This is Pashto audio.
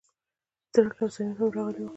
څرک او صمیم هم راغلي و.